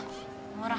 ほら。